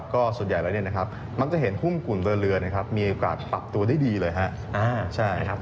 ก็ส่วนใหญ่แล้วมันจะเห็นหุ้มกลุ่มเรือมีโอกาสปรับตัวดีเลยครับ